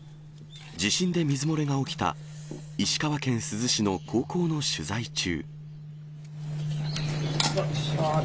地震で水漏れが起きた石川県珠洲市の高校の取材中。